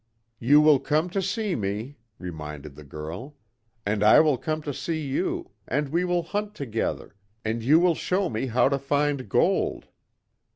"You will come to see me," reminded the girl, "And I will come to see you, and we will hunt together, and you will show me how to find gold."